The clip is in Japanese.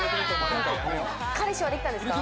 彼氏はできたんですか？